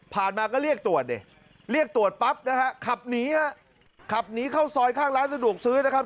มาก็เรียกตรวจดิเรียกตรวจปั๊บนะฮะขับหนีฮะขับหนีเข้าซอยข้างร้านสะดวกซื้อนะครับ